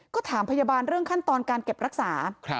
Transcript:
ก็ถามพยาบาลเรื่องขั้นตอนการเก็บรักษา